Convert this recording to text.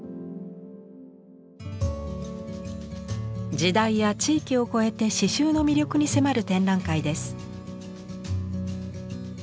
時代や地域を超えて刺繍の魅力に迫る展覧会です。